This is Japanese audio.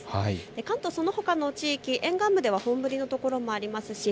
関東、そのほかの地域、沿岸部では本降りの所もありますし